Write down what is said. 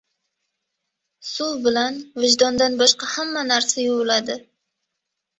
• Suv bilan vijdondan boshqa hamma narsa yuviladi.